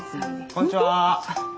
こんにちは。